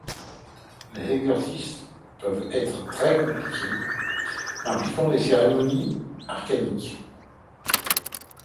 Les exorcismes peuvent être très compliqués, impliquant des cérémonies arcaniques.